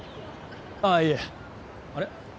ああいえあれ？